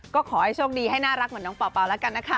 ก็ขอให้โชคดีให้น่ารักเหมือนน้องเป่าแล้วกันนะคะ